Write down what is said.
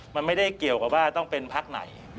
มันไม่ได้เกี่ยวกับว่าต้องเป็นพักไหน